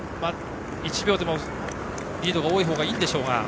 １秒でもリードが多い方がいいんでしょうが。